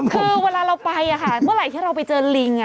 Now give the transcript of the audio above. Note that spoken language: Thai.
คือเวลาเราไปเมื่อไหร่ที่เราไปเจอลิง